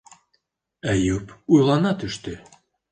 Әйүп уйлана төштө.